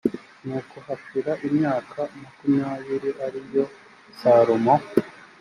nuko hashira imyaka makumyabiri ari yo salomo